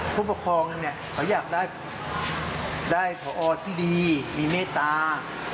ผู้ปกครองเขาอยากได้ได้ผอที่ดีมีเนตรา